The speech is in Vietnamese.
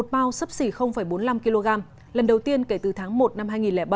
bao sấp xỉ bốn mươi năm kg lần đầu tiên kể từ tháng một năm hai nghìn bảy